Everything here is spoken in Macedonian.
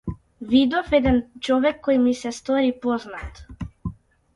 Видов еден човек кој ми се стори познат.